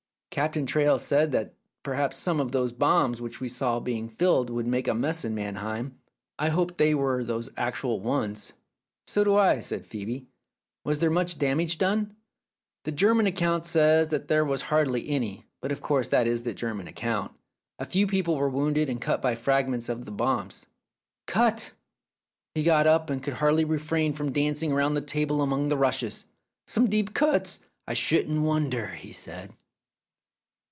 Captain Traill said that perhaps some of those bombs which we saw being filled would make a mess in Mannheim. I hope they were those actual ones." "So do I," said Phcebe. "Was there much damage done ?" 310 Philip's Safety Razor "The German account says that there was hardly any, but of course that is the German account. A few people were wounded and cut by fragments of the bombs. Cut 1 " He got up and could hardly refrain from dancing round the table among the rushes. "Some deep cuts, I shouldn't wonder," he said.